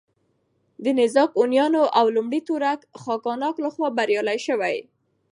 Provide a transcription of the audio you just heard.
د نېزاک هونيانو او لومړي تورک خاگانات له خوا بريالي شوي